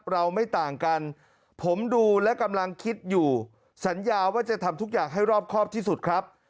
เราไม่ต่างกันผมดูและกำลังคิดอยู่สัญญาว่าจะทำทุกอย่างให้รอบครอบที่สุดครับ